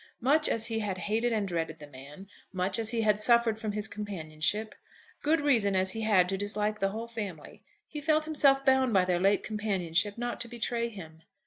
Much as he had hated and dreaded the man; much as he had suffered from his companionship, good reason as he had to dislike the whole family, he felt himself bound by their late companionship not to betray him.